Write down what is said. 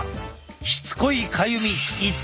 しつこいかゆみ一体